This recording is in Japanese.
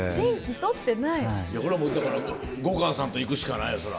これはもうだから後閑さんと行くしかないよそら。